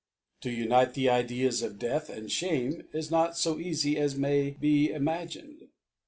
To unite the Ideas of Death and Shame is not lb eafy as may be imagined.